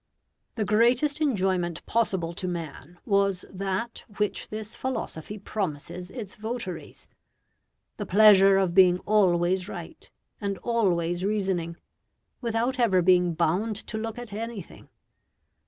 The greatest enjoyment possible to man was that which this philosophy promises its votaries the pleasure of being always right, and always reasoning without ever being bound to look at anything.